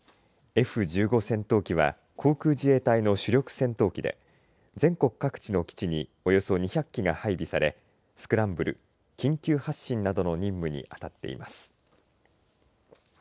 Ｆ１５戦闘機は航空自衛隊の主力戦闘機で全国各地の基地におよそ２００機が配備されスクランブル緊急発進などの任務にあたっています。